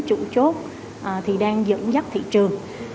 chủ chốt đang dẫn dắt thị trường